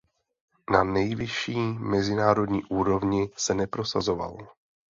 Na nejvyšší mezinárodní úrovni se neprosazoval.